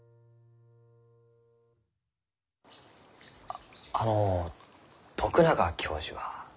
ああの徳永教授は？